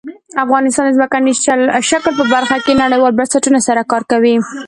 افغانستان د ځمکنی شکل په برخه کې نړیوالو بنسټونو سره کار کوي.